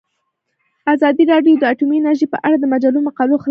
ازادي راډیو د اټومي انرژي په اړه د مجلو مقالو خلاصه کړې.